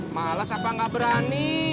males apa gak berani